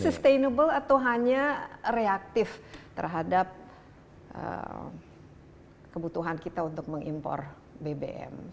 sustainable atau hanya reaktif terhadap kebutuhan kita untuk mengimpor bbm